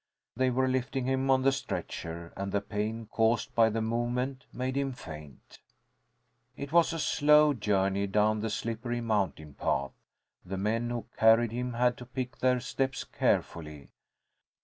They were lifting him on the stretcher, and the pain caused by the movement made him faint. It was a slow journey down the slippery mountain path. The men who carried him had to pick their steps carefully.